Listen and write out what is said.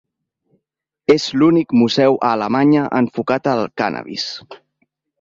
És l'únic museu a Alemanya enfocat en el cànnabis.